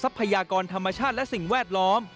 พยากรธรรมชาติและสิ่งแวดล้อม